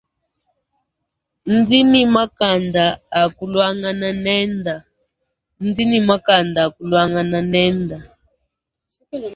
Ndi ni makanda akuluangana nende.